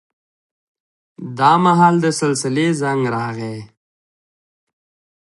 دا مهال د سلسلې زنګ راغی.